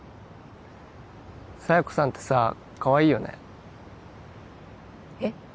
佐弥子さんってさかわいいよねえっ？